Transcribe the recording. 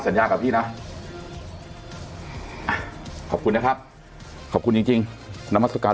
สัญญาณกับพี่น่ะขอบคุณนะครับขอบคุณจริงจริงน้ำศักดาล